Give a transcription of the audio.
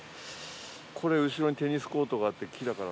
これ、後ろにテニスコートがあって木だから。